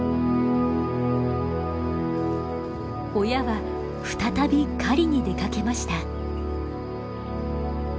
親は再び狩りに出かけました。